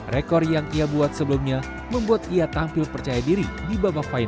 rekor yang ia buat sebelumnya membuat ia tampil percaya diri di babak final